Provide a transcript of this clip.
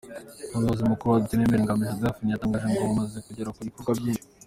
Umuyobozi mukuru wa Duterimbere, Ngamije Delphin yatangaje ko bamaze kugera ku bikorwa byinshi.